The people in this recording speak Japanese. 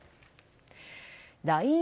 ＬＩＮＥ